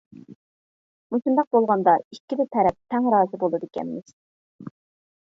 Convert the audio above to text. مۇشۇنداق بولغاندا ئىككىلا تەرەپ تەڭ رازى بولىدىكەنمىز.